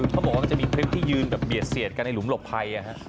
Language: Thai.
เขาบอกว่ามันจะมีคลิปที่ยืนแบบเบียดเสียดกันในหลุมหลบภัย